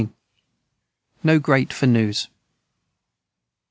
No great for news.